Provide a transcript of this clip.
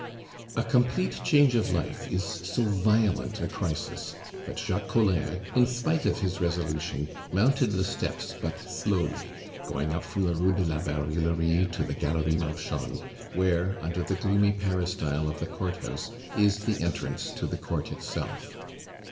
A complete change of life is so violent a crisis, that Jacques Collin, in spite of his resolution, mounted the steps but slowly, going up from the Rue de la Barillerie to the Galerie Marchande, where, under the gloomy peristyle of the courthouse, is the entrance to the Court itself.